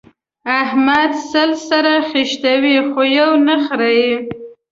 احمد سل سره خيشتوي؛ خو يو نه خرېي.